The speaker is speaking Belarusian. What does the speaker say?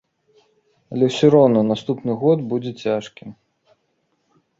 Але ўсё роўна наступны год будзе цяжкім.